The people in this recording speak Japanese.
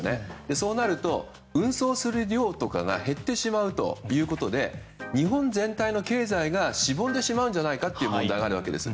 そうなると運送する量とかが減ってしまうということで日本全体の経済がしぼんでしまうんじゃないかという問題があるんです。